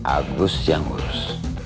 agus yang urus